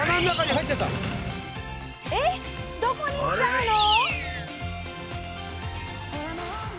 どこに行っちゃうの？